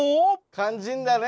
肝心なね。